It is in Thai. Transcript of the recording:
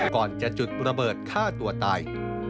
ก่อนจะจุดระเบิดฆ่าตัวตาย